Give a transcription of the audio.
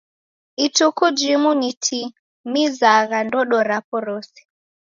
Ituku jimu nitimizagha ndodo rapo rose.